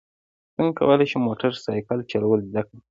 څنګه کولی شم موټر سایکل چلول زده کړم